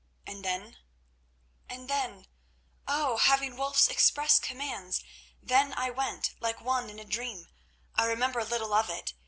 "And then?" "And then—oh! having Wulf's express commands, then I went, like one in a dream. I remember little of it.